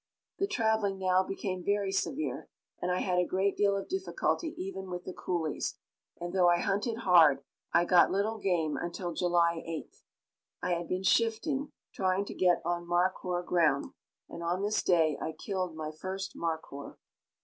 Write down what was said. The traveling now became very severe and I had a great deal of difficulty even with the coolies, and though I hunted hard I got little game until July 8th. I had been shifting, trying to get on markhoor ground, and on this day I killed my first markhoor.